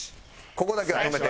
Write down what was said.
ここだけは止めて。